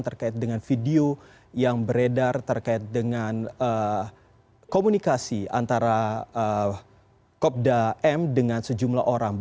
terkait dengan video yang beredar terkait dengan komunikasi antara kopda m dengan sejumlah orang